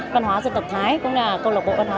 văn hóa dân tộc thái cũng là câu lạc bộ văn hóa